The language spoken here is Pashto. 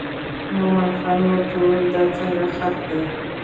مومن خان ورته وویل دا څنګه خط دی.